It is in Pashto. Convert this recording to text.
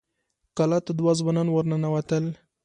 کلا ته دوه ځوانان ور ننوتل.